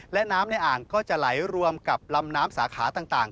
และน้ำในอ่างก็จะไหลรวมกับลำน้ำสาขาต่าง